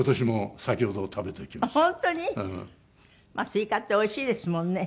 スイカっておいしいですもんね。